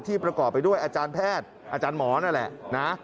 ประกอบไปด้วยอาจารย์แพทย์อาจารย์หมอนั่นแหละนะ